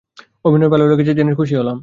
অভিনয় ভালো লেগেছে জেনে খুশি হলাম।